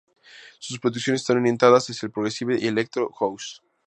Sus producciones están orientadas hacía el progressive y el electro house.